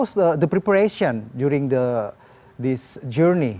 dan bagaimana persiapan saat perjalanan ini